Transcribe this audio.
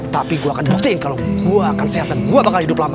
tapi gua akan buktiin kalo gua akan sehat dan gua bakal hidup lama